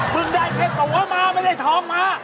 มึงได้แค่ตั๋วมาไม่ได้ทองมา